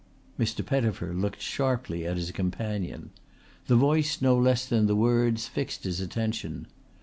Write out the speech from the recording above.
Mr. Pettifer looked sharply at his companion. The voice no less than the words fixed his attention.